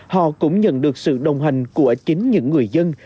họ cũng nhận được sự đồng hành của chính những người dân